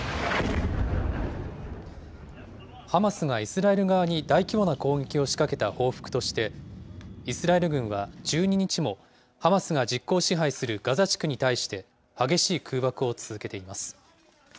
ハマスがイスラエル側に大規模な攻撃を仕掛けた報復として、イスラエル軍は１２日も、ハマスが実効支配するガザ地区に対して、激しい空爆を続けています。